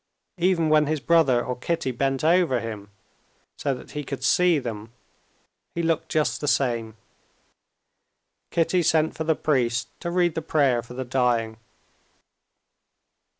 Even when his brother or Kitty bent over him, so that he could see them, he looked just the same. Kitty sent for the priest to read the prayer for the dying.